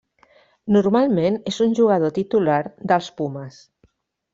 Normalment és un jugador titular dels Pumes.